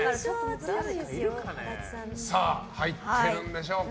入っているんでしょうか。